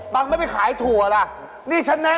ไม่ได้เปล่าปีดูนปีจริงแล้ว